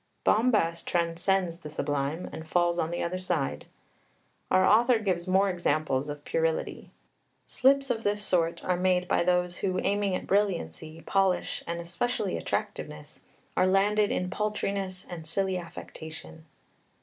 Bombast "transcends the Sublime," and falls on the other side. Our author gives more examples of puerility. "Slips of this sort are made by those who, aiming at brilliancy, polish, and especially attractiveness, are landed in paltriness and silly affectation."